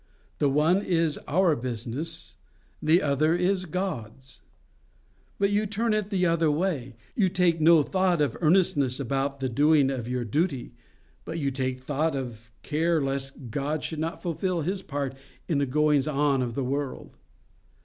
The one is our business: the other is God's. But you turn it the other way. You take no thought of earnestness about the doing of your duty; but you take thought of care lest God should not fulfil His part in the goings on of the world.